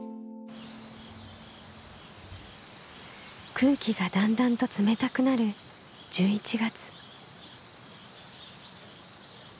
空気がだんだんと冷たくなる１１月。